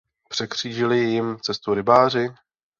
Překřížili jim cestu rybáři?